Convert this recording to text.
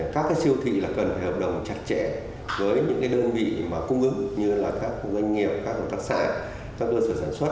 các siêu thị cần hợp đồng chặt chẽ với những đơn vị cung ứng như các doanh nghiệp các công tác xã các cơ sở sản xuất